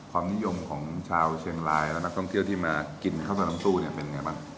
ความนิยมของชาวเชียงรายและนักท่องเที่ยวที่มากินข้าวกับน้ำตู้เนี่ยเป็นไงบ้าง